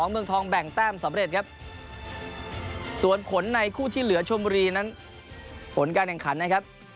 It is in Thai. เมืองทองแบ่งแต้มสำเร็จครับส่วนผลในคู่ที่เหลือชมบุรีนั้นผลการแข่งขันนะครับ